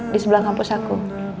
di sebelah kampus aku